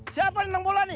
kenapa nendang bola nih